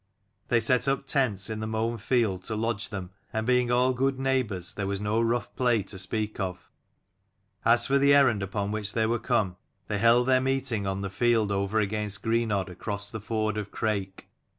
They set up tents in the mown field to lodge them, and being all good neighbours there was no rough play to speak of. As for the errand upon which they were come, they held their meeting on the field over against Greenodd across the ford of Crake.